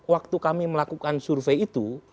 waktu kami melakukan survei itu